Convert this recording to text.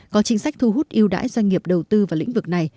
có chính sách thu hút yêu đãi doanh nghiệp đầu tư vào lĩnh vực này